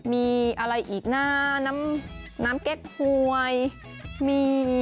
มีอะไรอีกนะน้ำเก๊กหวยมี